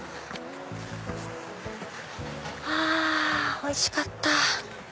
あおいしかった。